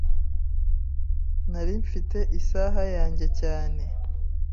Nari mfite isaha yanjye cyane.